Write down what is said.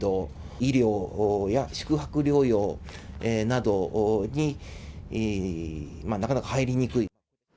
医療や宿泊療養などになかなか入りにくい。